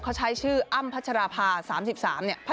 เขาใช้ชื่ออ้ำพัชราภา๓๓เนี่ย